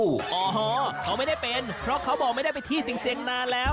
โอ้โหเขาไม่ได้เป็นเพราะเขาบอกไม่ได้ไปที่เสียงนานแล้ว